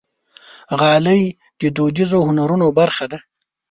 غالۍ د دودیزو هنرونو برخه ده.